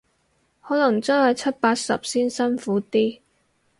可能真係七八十先辛苦啲